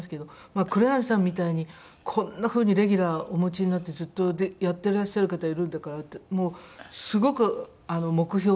黒柳さんみたいにこんな風にレギュラーお持ちになってずっとやってらっしゃる方いるんだからってもうすごく目標です。